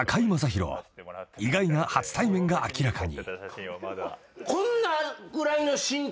意外な初対面が明らかに］